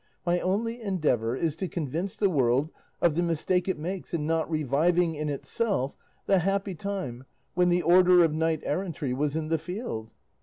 My only endeavour is to convince the world of the mistake it makes in not reviving in itself the happy time when the order of knight errantry was in the field.